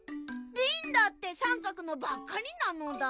リンだってさんかくのばっかりなのだ。